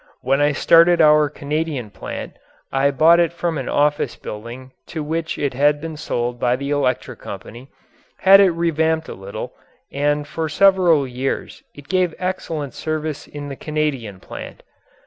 When I started our Canadian plant I bought it from an office building to which it had been sold by the electric company, had it revamped a little, and for several years it gave excellent service in the Canadian plant.